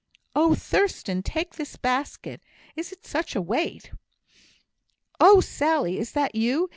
"Oh, Thurstan! take this basket it is such a weight! Oh, Sally, is that you?